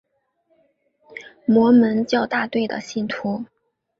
摩门教大队的信徒。